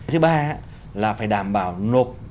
thứ ba là phải đảm bảo nộp